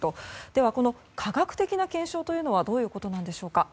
では、この科学的な検証とはどういうことなんでしょうか。